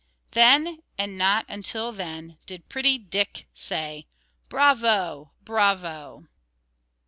Then, and not till then, did pretty Dick say, "Bravo! bravo!"